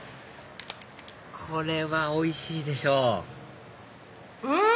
これはおいしいでしょううん！